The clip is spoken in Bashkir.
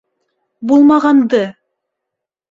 Булмағанды!